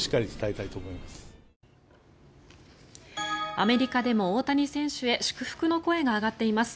アメリカでも大谷選手へ祝福の声が上がっています。